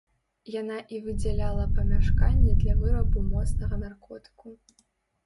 Яна і выдзяляла памяшканне для вырабу моцнага наркотыку.